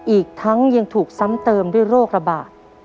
อีกทั้งยังถูกซ้ำเติมด้วยโรคระบาด